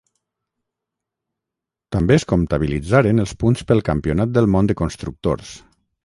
També es comptabilitzaren els punts pel Campionat del món de constructors.